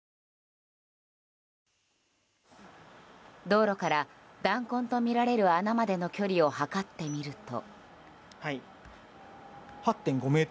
道路から弾痕とみられる穴までの距離を測ってみると。